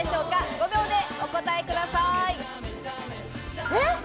５秒でお答えください。